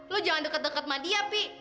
lo jangan deket deket sama dia api